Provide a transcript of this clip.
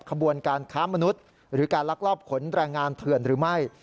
ขบวนการค้ามนุษย์หรือการลักลอบขนแรงงานเถื่อนหรือไม่